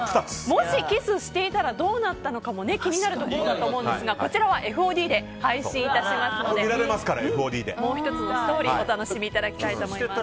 もしキスしていたらどうなったのかも気になるところだと思うんですがこちらはＦＯＤで配信いたしますのでもう１つのストーリーお楽しみいただきたいと思います。